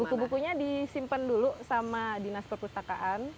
buku bukunya disimpan dulu sama dinas perpustakaan